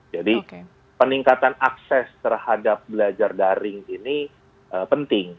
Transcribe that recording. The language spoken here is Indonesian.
jadi peningkatan akses terhadap belajar daring ini penting